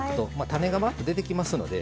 種がバッと出てきますので。